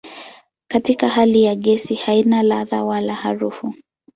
Katika hali ya gesi haina ladha wala harufu.